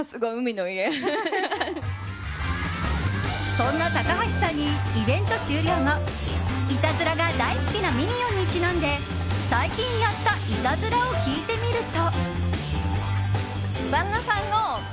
そんな高橋さんにイベント終了後いたずらが大好きなミニオンにちなんで最近やったいたずらを聞いてみると。